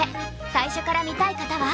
最初から見たい方は？